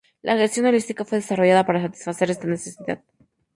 La gestión holística fue desarrollada para satisfacer esta necesidad.